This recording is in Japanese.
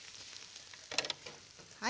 はい。